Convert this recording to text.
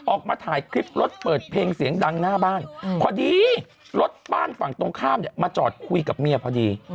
ออกมาถ่ายคลิปรถเปิดเพลงเสียงดังหน้าบ้านพอดีรถบ้านฝั่งตรงข้ามเนี่ยมาจอดคุยกับเมียพอดี